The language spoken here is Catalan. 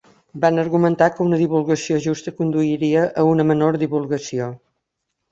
Van argumentar que una divulgació justa conduiria a una menor divulgació.